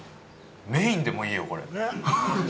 メインでもいいよ、これ。